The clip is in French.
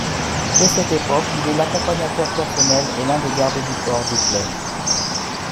Dès cette époque, il est l’accompagnateur personnel et l’un des gardes du corps d’Hitler.